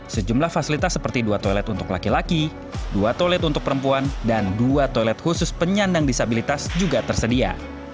sejumlah fasilitas seperti dua toilet untuk laki laki dua toilet untuk perempuan dan dua toilet khusus penyandang disabilitas juga tersedia